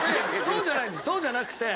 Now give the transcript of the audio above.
そうじゃなくて。